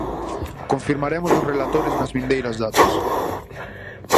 Confirmaremos os relatores nas vindeiras datas.